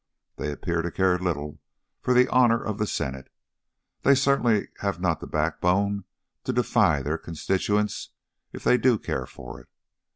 They appear to care little for the honour of the Senate; they certainly have not the backbone to defy their constituents if they do care for it.